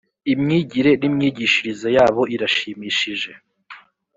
imyigire n’ imyigishirize yabo irashimishije.